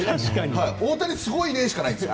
大谷すごいねしかないんです。